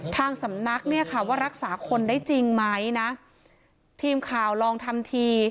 ทางสำนักเนี่ยค่ะว่ารักษาคนได้จริงไหมนะทีมข่าวลองทำที